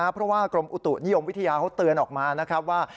เพราะว่ากรมอุตุนิยมวิทยาเขาเตือนออกมานะครับว่า